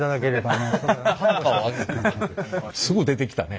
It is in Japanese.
すぐ出てきたね。